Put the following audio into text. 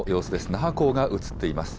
那覇港が映っています。